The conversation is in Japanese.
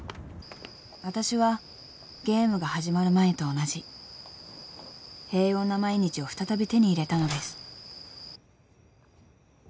［わたしはゲームが始まる前と同じ平穏な毎日を再び手に入れたのです］